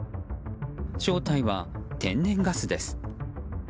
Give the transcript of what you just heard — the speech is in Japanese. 正体は天然ガスです。